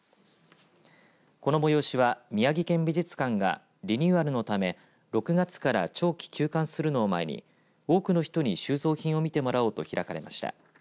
この催しは宮城県美術館がリニューアルのため６月から長期休館するのを前に多くの人に収蔵品を見てもらおうと開かれました。